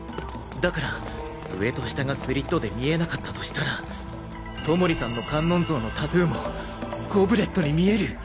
だから上と下がスリットで見えなかったとしたら外守さんの観音像のタトゥーもゴブレットに見える！